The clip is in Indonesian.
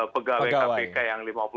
pegawai kpk yang lima puluh